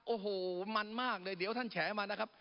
โอ้โหมันมากเลยเดี๋ยวท่านแฉมานะครับ